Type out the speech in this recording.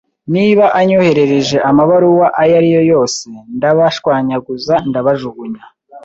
Niba anyoherereje amabaruwa ayo ari yo yose, ndabashwanyaguza ndabajugunya.